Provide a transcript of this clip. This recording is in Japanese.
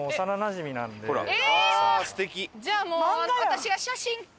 じゃあもう私が。